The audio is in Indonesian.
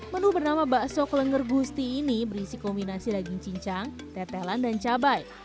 menu bernama bakso kelenger gusti ini berisi kombinasi daging cincang tetelan dan cabai